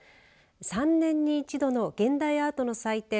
３年に一度の現代アートの祭典